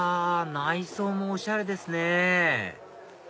内装もおしゃれですね